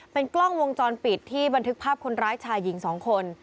เป็นกล้องวงจรปิดที่บันทึกภาพคนร้ายชายหญิง๒คน